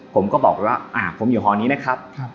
ผมก็บอกว่าผมอยู่หอนี้นะครับ